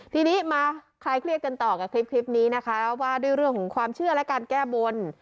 ทีนี้มาคลายเครียดกันต่อกับคลิปนี้นะคะว่าด้วยเรื่องของความเชื่อและการแก้บน